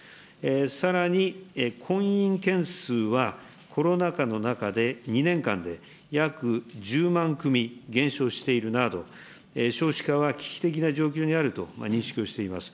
さらに婚姻件数は、コロナ禍の中で２年間で約１０万組減少しているなど、少子化が危機的な状況にあると認識をしています。